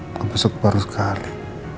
ngebesok baru sekali